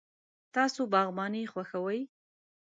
تاسو باغباني خوښوئ؟